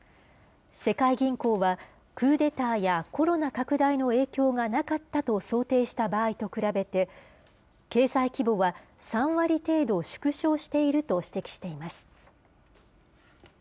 世界銀行は、クーデターやコロナ拡大の影響がなかったと想定した場合と比べて、経済規模は３割程度、縮小していると指摘しています。